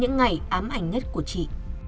những ngày ám ảnh nhất của tri